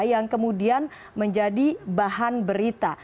yang kemudian menjadi bahan berita